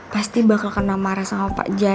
pasti bakal kena marah sama pak jan